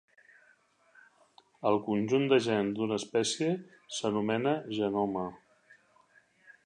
El conjunt de gens d'una espècie s'anomena genoma.